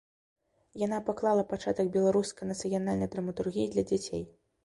Яна паклала пачатак беларускай нацыянальнай драматургіі для дзяцей.